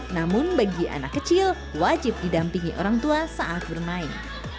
namun bagi anak kecil wajib didampingi orang tua saat bermain